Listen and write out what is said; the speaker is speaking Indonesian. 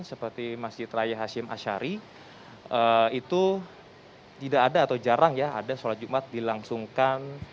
seperti masjid raya hashim ashari itu tidak ada atau jarang ya ada sholat jumat dilangsungkan